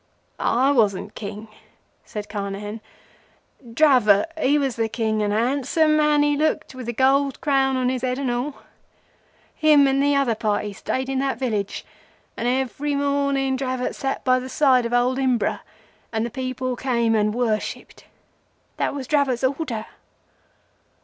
"I wasn't King," said Carnehan. "Dravot he was the King, and a handsome man he looked with the gold crown on his head and all. Him and the other party stayed in that village, and every morning Dravot sat by the side of old Imbra, and the people came and worshipped. That was Dravot's order.